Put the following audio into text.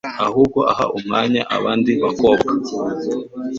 ahubwo aha umwanya abandi bakobwa